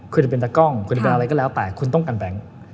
คุณจะเป็นตะกล้องคุณจะเป็นอะไรก็แล้วแต่คุณต้องกันแบงค์